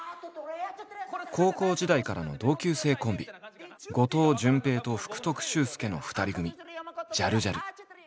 高校時代からの同級生コンビ後藤淳平と福徳秀介の二人組ジャルジャル。